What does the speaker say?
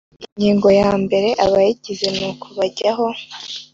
Ingingo ya mbere Abayigize n uko bajyaho